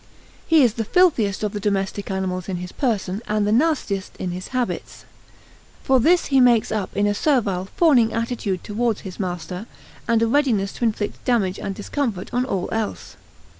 He is the filthiest of the domestic animals in his person and the nastiest in his habits. For this he makes up is a servile, fawning attitude towards his master, and a readiness to inflict damage and discomfort on all else.